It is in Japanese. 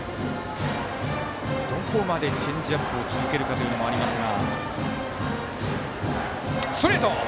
どこまでチェンジアップを続けるかというのもありますが。